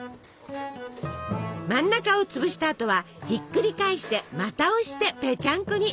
真ん中をつぶしたあとはひっくり返してまた押してぺちゃんこに！